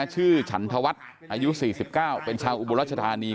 ฉันธวัฒน์อายุ๔๙เป็นชาวอุบลรัชธานี